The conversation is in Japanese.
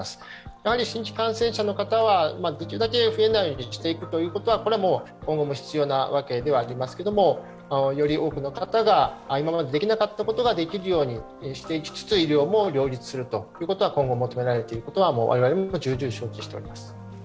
やはり新規感染者の方はできるだけ増えないようにしていくということはこれは今後も必要なわけではありますけれども、より多くの方が今までできなかったことができるようにしていきつつ、医療も両立するということが今後求められていることは我々も重々承知しております。